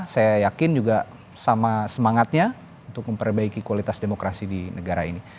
saya yakin juga sama semangatnya untuk memperbaiki kualitas demokrasi di negara ini